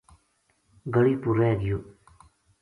گلی پو رہ گیو